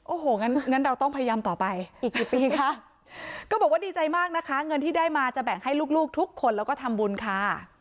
โอ้โหงั้นงั้นเราต้องพยายามต่อไปอีกกี่ปีคะก็บอกว่าดีใจมากนะคะเงินที่ได้มาจะแบ่งให้ลูกลูกทุกคนแล้วก็ทำบุญค่ะ